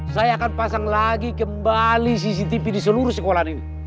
saya akan pasang lagi kembali cctv di seluruh sekolah ini